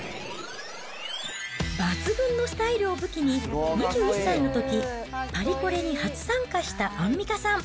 抜群のスタイルを武器に、２１歳のとき、パリコレに初参加したアンミカさん。